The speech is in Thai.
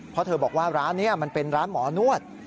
เพราะเธอบอกว่าร้านนี้มันเป็นร้านหมอนวด